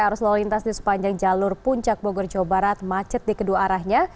arus lalu lintas di sepanjang jalur puncak bogor jawa barat macet di kedua arahnya